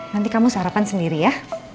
nanti kamu sarapan sendiri ya